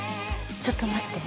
ちょっと待って。